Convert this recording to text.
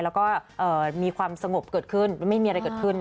แล้วก็มีความสงบเกิดขึ้นไม่มีอะไรเกิดขึ้น